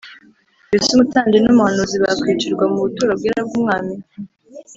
Mbese umutambyi n’umuhanuzi bakwicirwa mu buturo bwera bw’Umwami?